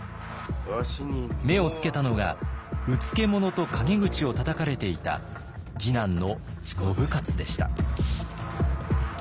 目をつけたのがうつけ者と陰口をたたかれていた次男の信雄でした。